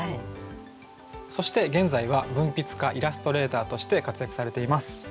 そして現在は文筆家・イラストレーターとして活躍されています。